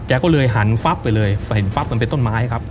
ก็เลยหันฟับไปเลยเห็นฟับมันเป็นต้นไม้ครับ